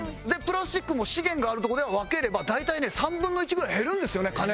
プラスチックも資源があるとこで分ければ大体ね３分の１ぐらい減るんですよね